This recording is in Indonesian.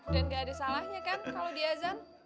dan gak ada salahnya kan kalau dia ajan